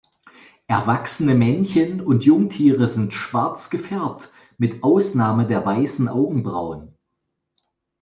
Erwachsene Männchen und Jungtiere sind schwarz gefärbt mit Ausnahme der weißen Augenbrauen.